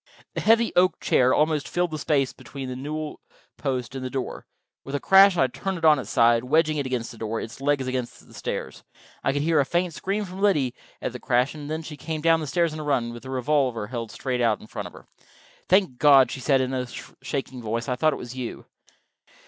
The heavy oak chair almost filled the space between the newel post and the door. With a crash I had turned it on its side, wedging it against the door, its legs against the stairs. I could hear a faint scream from Liddy, at the crash, and then she came down the stairs on a run, with the revolver held straight out in front of her. "Thank God," she said, in a shaking voice. "I thought it was you."